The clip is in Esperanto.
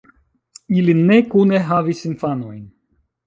Ili ne kune havis infanojn.